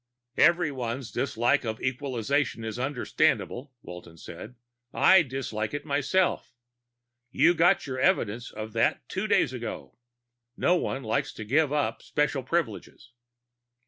"Everyone's dislike of equalization is understandable," Walton said. "I dislike it myself. You got your evidence of that two days ago. No one likes to give up special privileges."